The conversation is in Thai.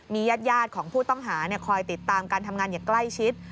ญาติของผู้ต้องหาคอยติดตามการทำงานอย่างใกล้ชิด